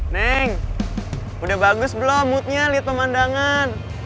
neng udah bagus belum moodnya lihat pemandangan